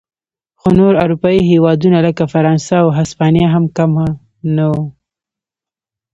خو نور اروپايي هېوادونه لکه فرانسه او هسپانیا هم کم نه و.